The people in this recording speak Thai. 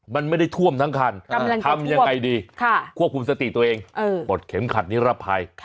มันไม่ได้ท่วมทั้งคันทำยังไงดีควบคุมสติตัวเองปลดเข็มขัดนิรภัย